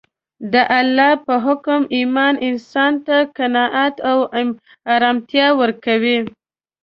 د الله په حکم ایمان انسان ته قناعت او ارامتیا ورکوي